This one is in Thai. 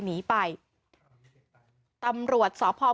หนีไปตำรวจสอบพอบ์